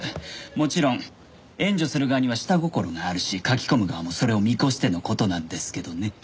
もちろん援助する側には下心があるし書き込む側もそれを見越しての事なんですけどね。